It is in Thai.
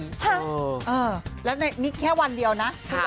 ฮะเออแล้วนี่แค่วันเดียวนะ